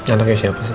anaknya siapa sih